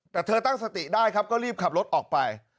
แต่เธอตั้งสติได้ครับก็รีบขับรถออกไป